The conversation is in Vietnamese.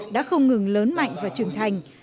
đã không ngừng lớn mạnh và trưởng thành